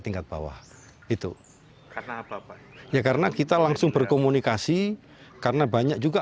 tingkat bawah itu karena apa apa ya karena kita langsung berkomunikasi karena banyak juga